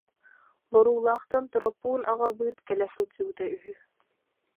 Боруулаахтан Торопуун аҕабыыт кэлэ сылдьыбыта үһү